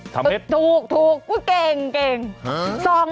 ทำเม็ดถูกกูเก่ง